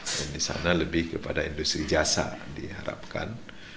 dan disana lebih kepada industri jasa diharapkan